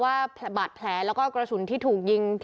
ว่าบาดแผลแล้วก็กระสุนที่ถูกยิง